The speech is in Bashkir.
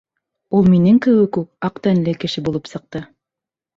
Ул минең кеүек үк аҡ тәнле кеше булып сыҡты.